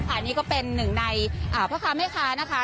อันนี้ก็เป็นหนึ่งในพ่อค้าแม่ค้านะคะ